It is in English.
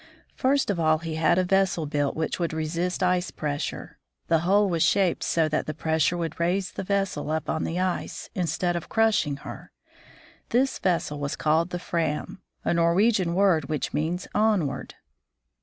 First of all he had a vessel built which would resist ice pressures. The hull was shaped so that the pressure would raise the vessel up on the ice, instead of crushing her. This vessel was called the Fram, a Norwegian word which means "onward."